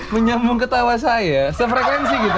menyambung ketawa saya sefrekuensi gitu